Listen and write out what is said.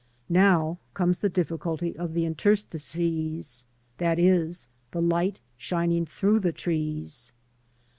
Now comes the difficulty of the interstices, i.e. the light shining through the trees.